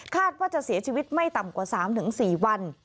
ว่าจะเสียชีวิตไม่ต่ำกว่า๓๔วัน